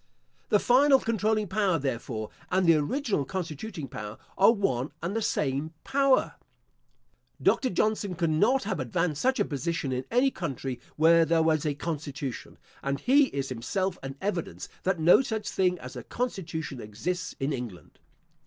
The final controlling power, therefore, and the original constituting power, are one and the same power. Dr. Johnson could not have advanced such a position in any country where there was a constitution; and he is himself an evidence that no such thing as a constitution exists in England.